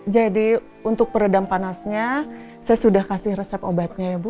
jadi untuk peredam panasnya saya sudah kasih resep obatnya ya bu